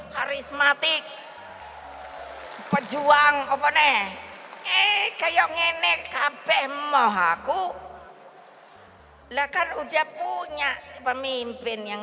karismatik pejuang apa nih kayak ngeneh kb mohaku lah kan udah punya pemimpin yang